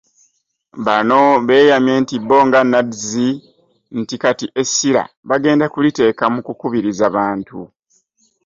Bano beeyamye nti bo nga NAADS nti kati essira bagenda kuliteeka ku kukubiriza bantu